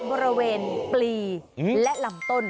บริเวณปลีและลำต้น